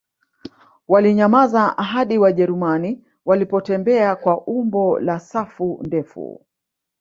Walinyamaza hadi Wajerumani walipotembea kwa umbo la safu ndefu